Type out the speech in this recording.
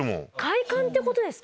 快感ってことですか？